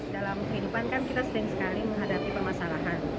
dalam kehidupan kan kita sering sekali menghadapi permasalahan